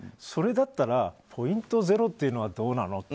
それだったらポイント０というのはどうなの？